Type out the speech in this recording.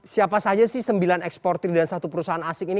siapa saja sih sembilan eksportir dan satu perusahaan asing ini